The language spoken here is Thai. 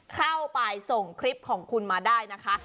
เข้าไปส่งคลิปของคุณมาได้นะคะ